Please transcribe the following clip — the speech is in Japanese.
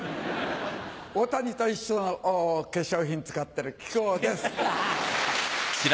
大谷と一緒の化粧品使ってる木久扇です。